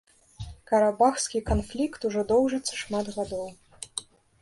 Карабахскі канфлікт ужо доўжыцца шмат гадоў.